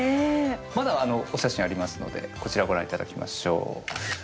まだあのお写真ありますのでこちらご覧いただきましょう。